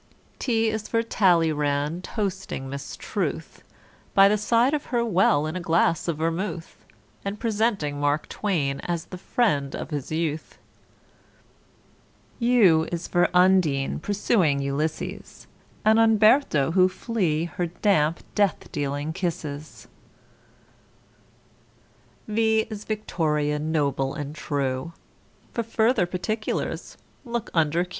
=T= is for =T=alleyrand toasting Miss =T=ruth, By the side of her well, in a glass of vermouth, And presenting Mark =T=wain as the friend of his youth. =U= is for =U=ndine, pursuing =U=lysses And =U=mberto, who flee her damp, death dealing kisses. =V= is =V=ictoria, noble and true _For further particulars look under Q.